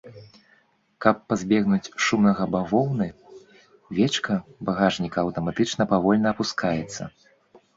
Каб пазбегнуць шумнага бавоўны, вечка багажніка аўтаматычна павольна апускаецца.